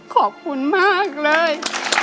ขอบคุณมากเลย